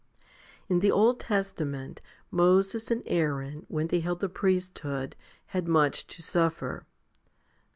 23. In the Old Testament, Moses and Aaron, when they held the priesthood, had much to suffer.